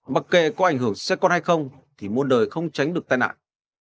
mặc kệ có ảnh hưởng xe con hay không thì muôn đời không tránh được tai nạn